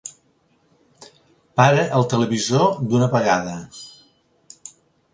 Para el televisor d'una vegada!